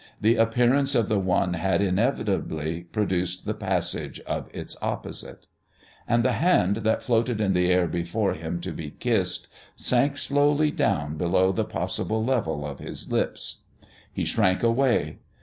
The appearance of the one had inevitably produced the passage of its opposite.... And the Hand that floated in the air before him to be kissed sank slowly down below the possible level of his lips. He shrank away.